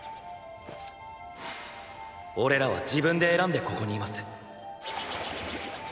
俺らは自分で選んでここにいます。